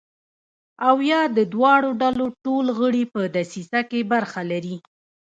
او یا د دواړو ډلو ټول غړي په دسیسه کې برخه لري.